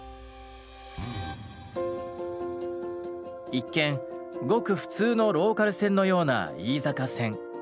一見ごく普通のローカル線のような飯坂線。